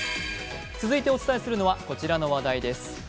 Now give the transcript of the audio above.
続いてお伝えするのは、こちらの話題です。